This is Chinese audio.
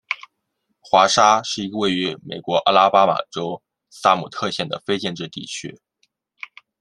华沙是一个位于美国阿拉巴马州萨姆特县的非建制地区。